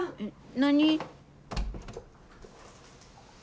何。